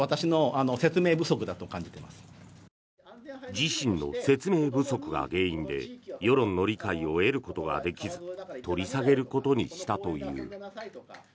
自身の説明不足が原因で世論の理解を得ることができず取り下げることにしたという。